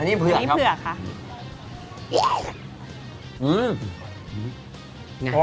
อันนี้เผือกครับอันนี้เผือกค่ะ